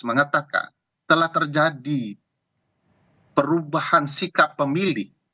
mengatakan telah terjadi perubahan sikap pemilih